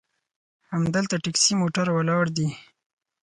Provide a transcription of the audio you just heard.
همدلته ټیکسي موټر ولاړ دي.